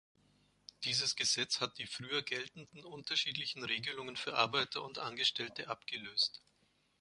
Dieses Gesetz hat die früher geltenden unterschiedlichen Regelungen für Arbeiter und Angestellte abgelöst.